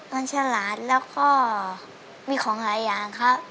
มันฉลาดแล้วก็มีของหลายอย่างครับ